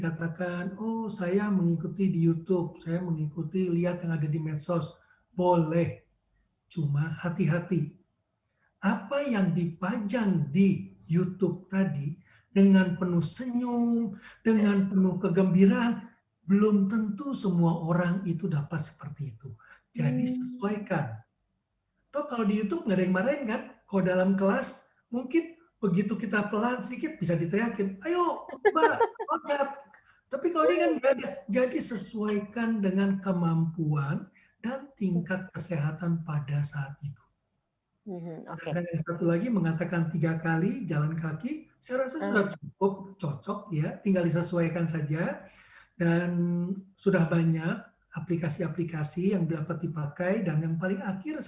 ada penyakit lambung ataupun penyakit penyakit penyerta yang lain itu harus diperhatikan